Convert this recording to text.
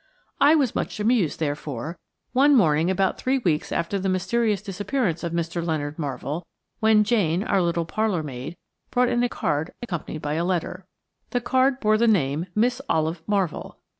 I was much amused, therefore, one morning about three weeks after the mysterious disappearance of Mr. Leonard Marvell, when Jane, our little parlour maid, brought in a card accompanied by a letter. The card bore the name "Miss Olive Marvell."